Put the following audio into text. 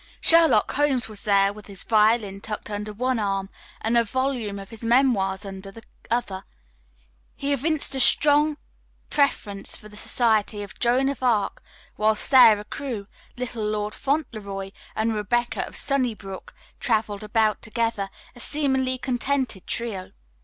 "Sherlock Holmes" was there with his violin tucked under one arm and a volume of his memoirs under the other. He evinced a strong preference for the society of "Joan of Arc," while "Sarah Crewe," "Little Lord Fauntleroy," and "Rebecca of Sunnybrook" traveled about together, a seemingly contented trio.